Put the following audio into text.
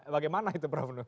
bagaimana itu prof nur